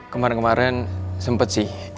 kemarin kemarin sempet sih